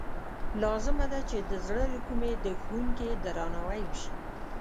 لازمه ده چې د زړه له کومې د ښوونکي درناوی وشي.